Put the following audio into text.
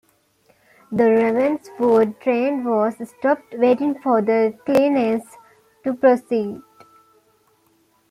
The Ravenswood train was stopped waiting for the clearance to proceed.